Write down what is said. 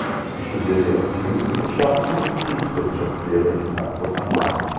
Sie studierte Erziehungswissenschaften und Betriebswirtschaftslehre in Frankfurt am Main.